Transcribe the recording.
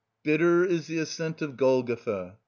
Bitter is the ascent to Golgotha....